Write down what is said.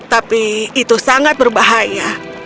tapi itu sangat berbahaya